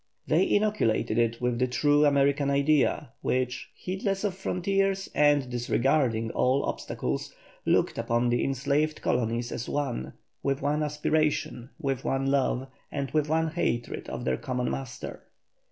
They inoculated it with the true American idea, which, heedless of frontiers and disregarding all obstacles, looked upon the enslaved colonies as one, with one aspiration, with one love, and with one hatred of their common master.